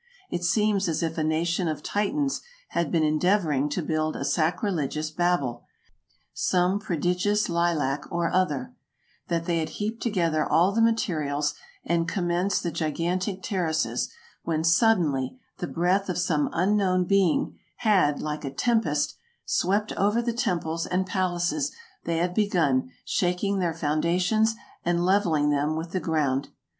It seems as if a nation of Titans had been endeavoring to build a sacrilegious Babel, some prodigious Ly lac or other; that they had heaped together all the materials and commenced the gigantic terraces, when suddenly the breath of some unknown being had, like a tempest, swept over the temples and palaces they had begun, shaking their foundations and leveling them with the ground.